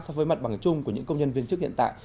so với mặt bằng chung của những công nhân viên chức hiện tại